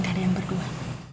dari yang berdua